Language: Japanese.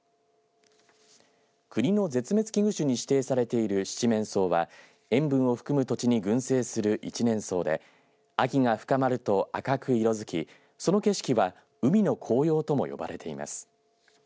国の絶滅危惧種に指定されているシチメンソウは塩分を含む土地に群生する一年草で秋が深まると赤く色づきその景色は海の紅葉とも呼ばれています。